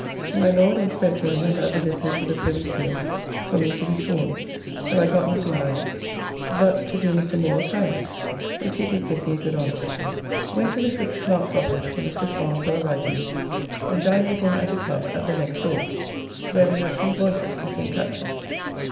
To my Lord and spoke to him about the business of the Privy Seal for me to be sworn, though I got nothing by it, but to do Mr. Moore a kindness, which he did give me a good answer to. Went to the Six Clerks' office to Mr. Spong for the writings, and dined with him at a club at the next door, where we had three voices to sing catches.